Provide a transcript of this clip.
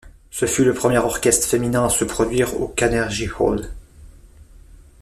Ce fut le premier orchestre féminin à se produire au Carnegie Hall.